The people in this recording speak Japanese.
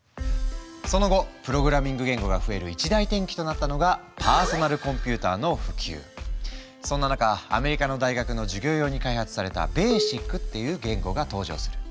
その後プログラミング言語が増える一大転機となったのがそんな中アメリカの大学の授業用に開発された「ＢＡＳＩＣ」っていう言語が登場する。